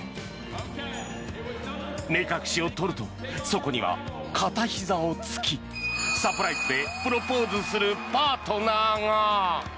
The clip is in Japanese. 目隠しを取るとそこには片ひざを突きサプライズでプロポーズするパートナーが。